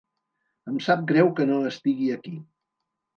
Em sap greu que no estigui aquí.